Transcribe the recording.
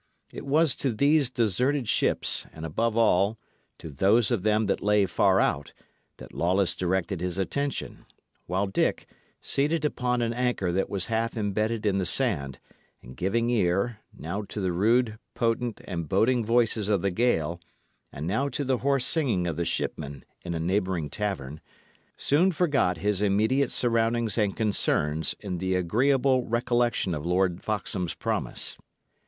It was to these deserted ships, and, above all, to those of them that lay far out, that Lawless directed his attention; while Dick, seated upon an anchor that was half embedded in the sand, and giving ear, now to the rude, potent, and boding voices of the gale, and now to the hoarse singing of the shipmen in a neighbouring tavern, soon forgot his immediate surroundings and concerns in the agreeable recollection of Lord Foxham's promise.